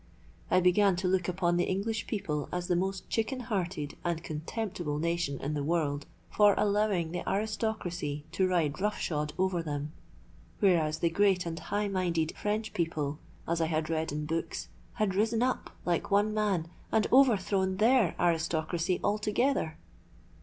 I began to look upon the English people as the most chicken hearted and contemptible nation in the world for allowing the aristocracy to ride rough shod over them; whereas the great and high minded French people, as I had read in books, had risen up like one man and overthrown their aristocracy altogether.